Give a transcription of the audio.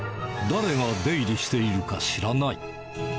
誰が出入りしているか知らない。